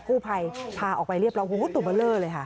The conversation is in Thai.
กู้ภัยพาออกไปเรียบร้อยโอ้โหตัวเบอร์เลอร์เลยค่ะ